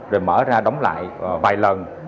rồi mở ra đóng lại vài lần